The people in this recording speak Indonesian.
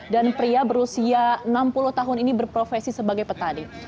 dan pria berusia enam puluh tahun ini berprofesi sebagai petani